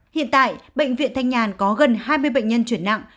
hiện tại bệnh viện thanh nhàn có gần hai mươi bệnh nhân chuyển nặng